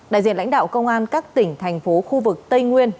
đại diện lãnh đạo công an các tỉnh thành phố khu vực tây nguyên